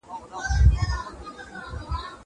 زه پرون مکتب ته ولاړم.